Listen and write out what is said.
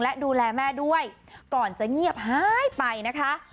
และดูแลแม่ด้วยก่อนจะเงียบหายไปนะคะ